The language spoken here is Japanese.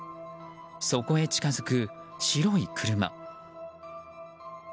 そこへ近づく白い車。